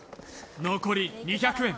残り２００円